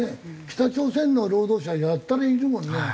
北朝鮮の労働者やたらいるもんね。